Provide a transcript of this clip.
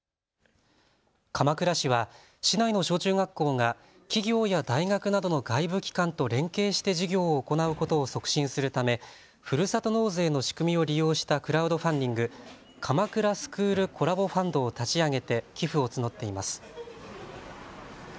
鎌倉市は市内の小中学校が企業や大学などの外部機関と連携して授業を行うことを促進するためふるさと納税の仕組みを利用したクラウドファンディング、鎌倉スクールコラボファンドを立ち上げて寄付を募っています。